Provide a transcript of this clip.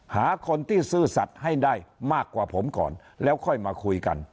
หาคนที่ซื่อสัตว์ให้ได้มากกว่าผมก่อนแล้วค่อยมาคุยกัน